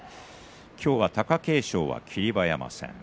今日は貴景勝は霧馬山戦。